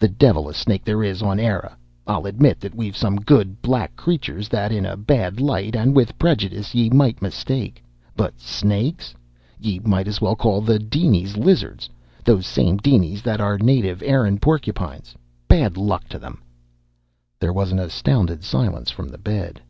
The devil a snake there is on Eire! I'll admit that we've some good black creatures that in a bad light and with prejudice yea might mistake. But snakes? Ye might as well call the dinies lizards those same dinies that are native Erin porcupines bad luck to them!" There was an astounded silence from the bed.